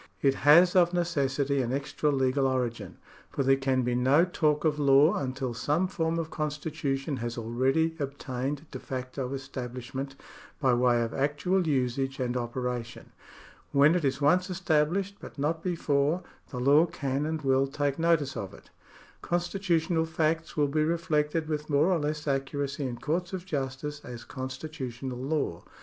It has of necessity an extra legal origin, for there can be no talk of law, until some form of constitution has already ob tained de facto establishment by way of actual usage and operation. When it is once established, but not before, the law can and will take notice of it. Constitutional facts will be reflected with more or less accuracy in courts of justice as constitutional law.